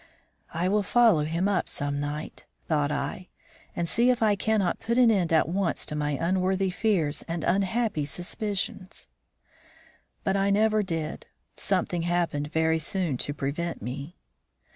"I will follow him up some night," thought I, "and see if I cannot put an end at once to my unworthy fears and unhappy suspicions." But I never did; something happened very soon to prevent me.